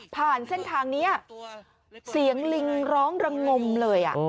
เส้นทางนี้เสียงลิงร้องระงมเลย